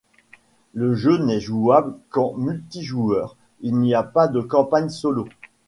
Le jeu n'est jouable qu'en multijoueur, il n'y a pas de campagne solo.